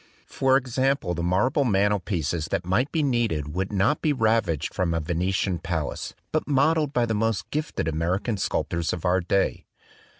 For example the marble mantelpieces that might be needed would not be ravished from a Venetian palace, but modelled by the most gifted American sculptors of our day.